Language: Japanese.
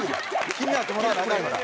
気になってもらわなアカンから。